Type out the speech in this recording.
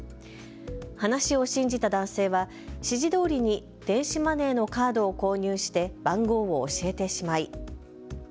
話を信じた男性は指示どおりに電子マネーのカードを購入して番号を教えてしまい。